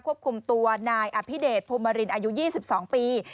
ควบคุมตัวนายอภิเดชภูมิรินอายุ๒๒ปี